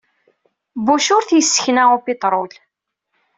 Bush ur t-yessekna upitṛul.